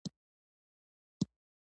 غلسفي شخصیت لري .